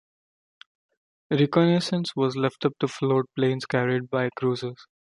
Reconnaissance was left up to float planes carried by cruisers.